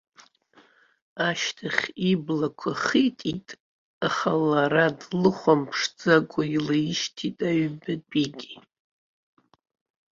Ашьҭахь иблақәа хитит, аха лара длыхәамԥшӡакәа илаишьҭит аҩбатәигьы.